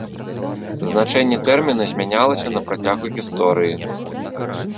Значэнне тэрміна змянялася на працягу гісторыі.